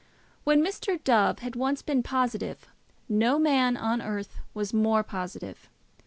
When Mr. Dove had once been positive, no man on earth was more positive.